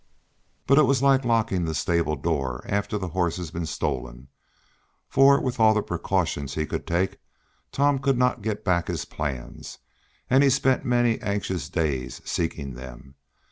But it was like locking the stable door after the horse had been stolen, for with all the precautions he could take Tom could not get back his plans, and he spent many anxious days seeking them.